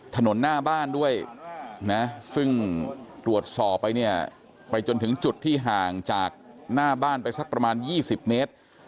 ถนนหน้าบ้านด้วยนะซึ่งตรวจสอบไปเนี่ยไปจนถึงจุดที่ห่างจากหน้าบ้านไปสักประมาณ๒๐เมตร